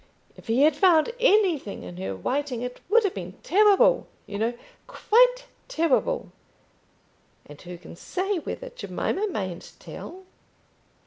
If he had found anything in her writing, it would have been terrible, you know, quite terrible. And who can say whether Jemima mayn't tell?"